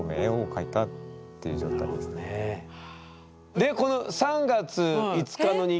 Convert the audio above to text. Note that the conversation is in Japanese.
でこの３月５日の日記。